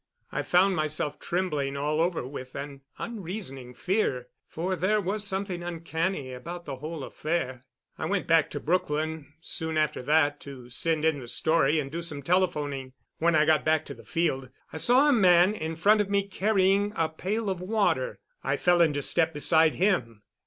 I found myself trembling all over with an unreasoning fear, for there was something uncanny about the whole affair. I went back to Brookline soon after that to send in the story and do some telephoning. When I got back to the field I saw a man in front of me carrying a pail of water. I fell into step beside him.